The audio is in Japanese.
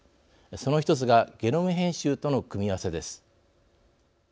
その１つがゲノム編集との組み合わせです。